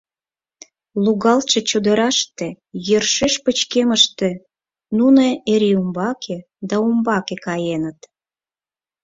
Лугалтше чодыраште, йӧршеш пычкемыште нуно эре умбаке да умбаке каеныт.